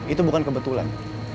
itu bukan kebetulan